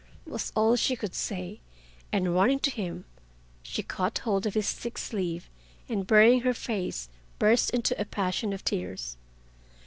was all she could say, and running to him she caught hold of his thick sleeve, and burying her face burst into a passion of tears.